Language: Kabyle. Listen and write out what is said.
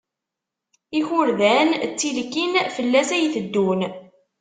Ikurdan d tilkin, fell-as ay teddun.